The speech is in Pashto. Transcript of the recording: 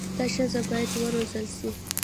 دا ښځي بايد و روزل سي